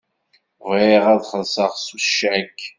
Bɣiɣ ad xellṣeɣ s ucak.